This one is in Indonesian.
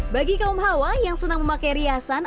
bagi kaum hawa yang senang memakai riasan